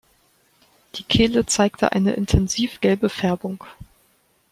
Die Kehle zeigte eine intensiv gelbe Färbung.